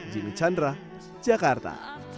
jimmy chandra jakarta